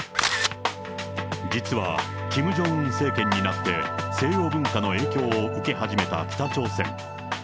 実は、キム・ジョンウン政権になって、西洋文化の影響を受け始めた北朝鮮。